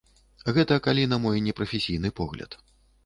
Гэта калі на мой непрафесійны погляд.